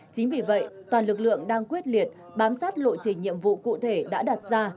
chính vì vậy toàn lực lượng đang quyết liệt bám sát lộ trình nhiệm vụ cụ thể đã đặt ra